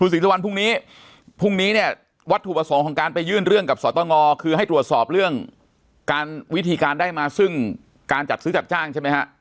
ศรีสุวรรณพรุ่งนี้พรุ่งนี้เนี่ยวัตถุประสงค์ของการไปยื่นเรื่องกับสตงคือให้ตรวจสอบเรื่องการวิธีการได้มาซึ่งการจัดซื้อจัดจ้างใช่ไหมฮะ